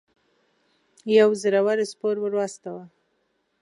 یو زړه ور سپور ور واستاوه.